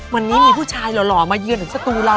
วันนี้มีผู้ชายหล่อมาเยือนถึงสตูเรา